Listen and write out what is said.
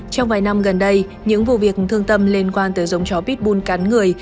trong vài năm gần đây những vụ việc thương tâm liên quan tới dòng chó pitbull cắn người